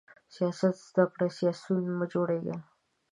سیاست زده کړئ، سیاسیون مه جوړیږئ!